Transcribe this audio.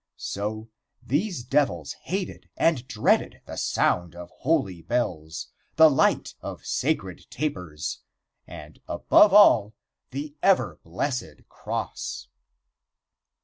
So, these devils hated and dreaded the sound of holy bells, the light of sacred tapers, and, above all, the ever blessed cross.